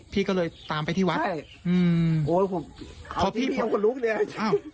พี่ก็เลยตามไปที่วัดพี่พี่เอาคนลุกเนี่ย